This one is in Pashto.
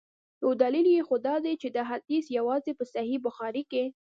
یو دلیل یې خو دا دی چي دا حدیث یوازي په صحیح بخاري کي.